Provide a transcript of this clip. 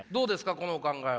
このお考えは。